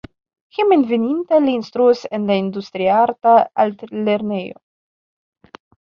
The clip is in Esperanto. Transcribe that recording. Hejmenveninta li instruas en la Industriarta Altlernejo.